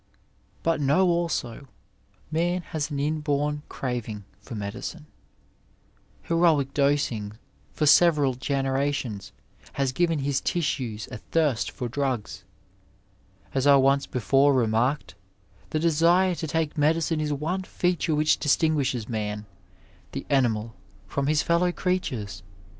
But know also, man has an inborn craving for medicine. Heroic dosing for several generations has given his tissues a thirst for drugs. As I once before remarked, the desire to take medicine b one feature which distinguishes man, the animal, from his fellow creatures.